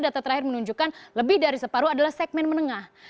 data terakhir menunjukkan lebih dari separuh adalah segmen menengah